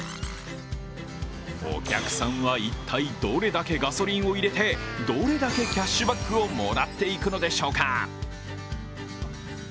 お客さんは一体どれだけガソリンを入れてどれだけキャッシュバックをもらっていくのでしょうか。